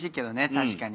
確かに。